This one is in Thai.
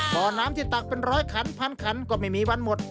บ่อน้ำที่ตักเป็นร้อยขันพันขันก็ไม่มีวันหมด